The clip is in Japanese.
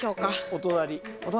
お隣。